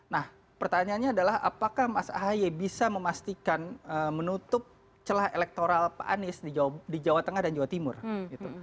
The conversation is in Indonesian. nah pertanyaannya adalah apakah mas ahy bisa memastikan menutup celah elektoral pak anies di jawa tengah dan jawa timur gitu